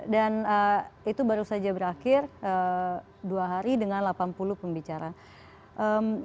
dan itu baru saja berakhir dua hari dengan delapan puluh pembicaraan